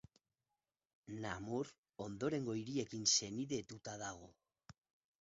Namur ondorengo hiriekin senidetuta dago.